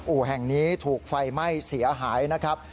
แห่งนี้ถูกไฟไหม้เสียหายนะครับ